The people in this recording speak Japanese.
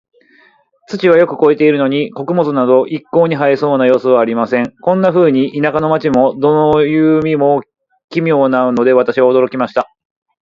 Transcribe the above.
土はよく肥えているのに、穀物など一向に生えそうな様子はありません。こんなふうに、田舎も街も、どうも実に奇妙なので、私は驚いてしまいました。